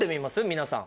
皆さん。